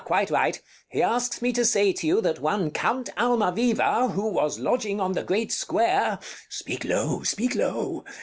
quite right: he asks me to say to you that one Count Almaviva, who was lodging on the great square Bartolo [frightened] Speak low, speak low.